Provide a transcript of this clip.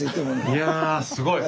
いやすごい。